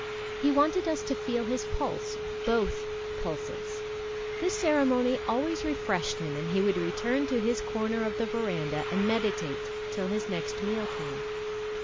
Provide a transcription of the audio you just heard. He wanted us to feel his pulse both pulses. This ceremony always refreshed him, and he would return to his corner of the verandah and meditate till his next meal came.